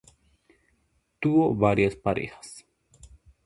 Tuvo varias parejas.